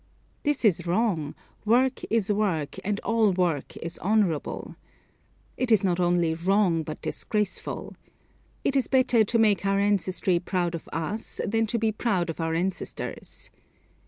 This is wrong; work is work, and all work is honorable. It is not only wrong, but disgraceful. It is better to make our ancestry proud of us than to be proud of our ancestors.